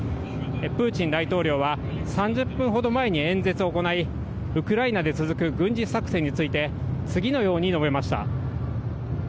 プーチン大統領は、３０分ほど前に演説を行い、ウクライナで続く軍事作戦について、次のように述べました。